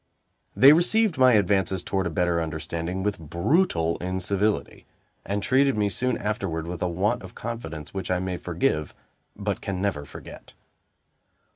They received my advances toward a better understanding with brutal incivility, and treated me soon afterward with a want of confidence which I may forgive, but can never forget.